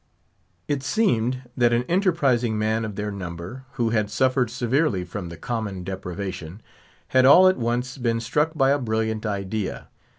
It seemed that an enterprising man of their number, who had suffered severely from the common deprivation, had all at once been struck by a brilliant idea.